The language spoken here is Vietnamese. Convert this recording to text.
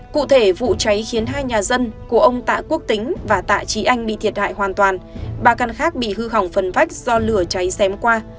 cụ thể vụ cháy khiến hai nhà dân của ông tạ quốc tính và tạ trí anh bị thiệt hại hoàn toàn ba căn khác bị hư hỏng phần vách do lửa cháy xém qua